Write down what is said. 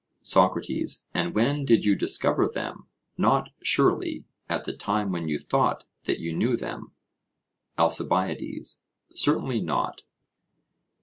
SOCRATES: And when did you discover them not, surely, at the time when you thought that you knew them? ALCIBIADES: Certainly not.